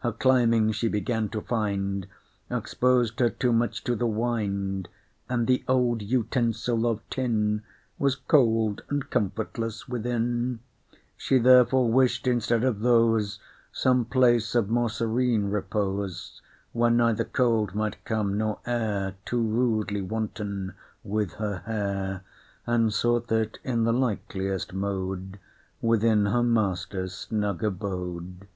Her climbing, she began to find, Exposed her too much to the wind, And the old utensil of tin Was cold and comfortless within: She therefore wish'd instead of those Some place of more serene repose, Where neither cold might come, nor air Too rudely wanton with her hair, And sought it in the likeliest mode Within her master's snug abode.